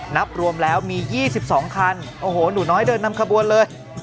นับรวมแล้วมี๒๒คันโอ้โหหนูน้อยเดินนำขบวนเลย